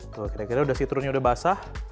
tuh kira kira udah citrunnya udah basah